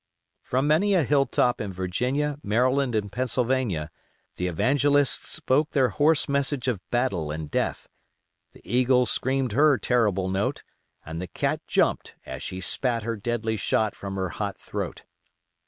From many a hill top in Virginia, Maryland, and Pennsylvania "The Evangelists" spoke their hoarse message of battle and death, "The Eagle" screamed her terrible note, and "The Cat" jumped as she spat her deadly shot from her hot throat.